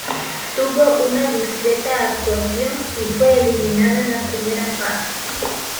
Tuvo una discreta actuación, y fue eliminada en la primera fase.